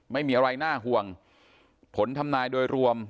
ไม่มีอะไรน่าห่วงผลทำนายโดยรวม